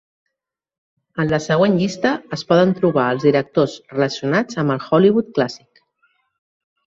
En la següent llista es poden trobar els directors relacionats amb el Hollywood clàssic.